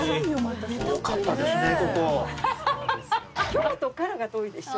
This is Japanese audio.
京都からが遠いでしょ。